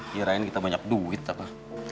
kirain kita banyak duit apa